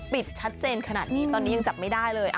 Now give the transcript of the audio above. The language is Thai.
ปิดชัดเจนขนาดนี้ตอนนี้ยังจับไม่ได้เลย